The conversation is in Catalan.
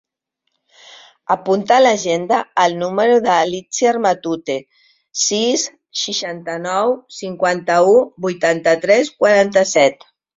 Apunta a l'agenda el número de l'Itziar Matute: sis, seixanta-nou, cinquanta-u, vuitanta-tres, quaranta-set.